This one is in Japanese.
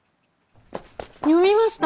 読みました！